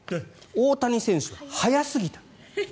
大谷選手は早すぎた。